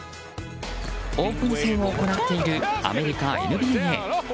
オープン戦を行っているアメリカ、ＮＢＡ。